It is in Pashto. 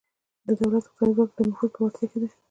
د دولت اقتصادي ځواک د نفوذ په وړتیا کې دی